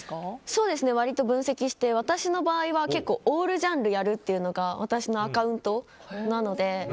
そうですね、割と分析して私の場合はオールジャンルやるというのが私のアカウントなので。